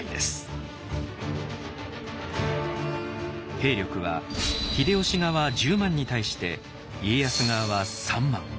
兵力は秀吉側１０万に対して家康側は３万。